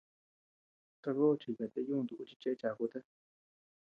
Tako chikata yuntu ú chi cheʼe chakuta.